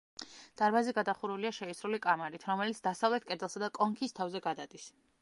დარბაზი გადახურულია შეისრული კამარით, რომელიც დასავლეთ კედელსა და კონქის თავზე გადადის.